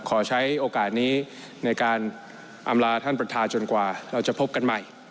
ขอใช้โอกาสนี้ในการอำลาท่านประธานจนกว่าเราจะพบกันใหม่